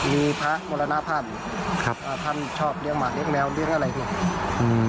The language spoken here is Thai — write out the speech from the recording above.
มีพระมรณภาพครับอ่าท่านชอบเลี้ยงหมาเลี้ยแมวเลี้ยงอะไรเนี่ยอืม